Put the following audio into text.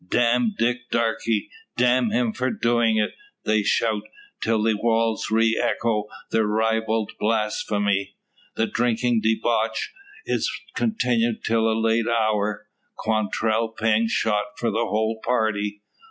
"Damn Dick Darke! Damn him for doin' it!" they shout, till the walls re echo their ribald blasphemy. The drinking debauch is continued till a late hour, Quantrell paying shot for the whole party.